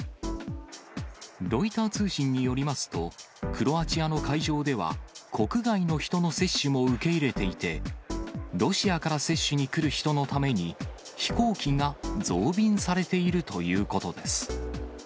ロイター通信によりますと、クロアチアの会場では、国外の人の接種も受け入れていて、ロシアから接種に来る人のために、飛行機が増便されているということです。